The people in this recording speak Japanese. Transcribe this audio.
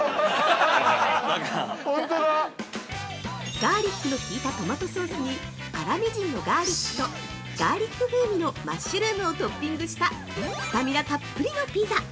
ガーリックの利いたトマトソースに粗みじんのガーリックとガーリック風味のマッシュルームをトッピングしたスタミナたっぷりのピザ。